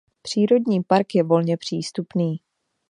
Přírodní park je volně přístupný.